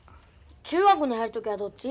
中学に入る時はどっち？